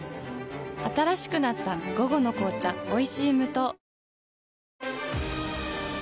新しくなった「午後の紅茶おいしい無糖」